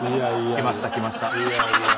きましたきました。